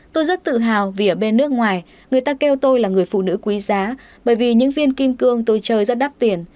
tôi rất tự hào vì ở bên nước ngoài người ta kêu tôi là người phụ nữ quý giá bởi vì những viên kim cương tôi chơi rất đắt tiền